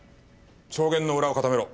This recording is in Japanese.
証言の裏を固めろ。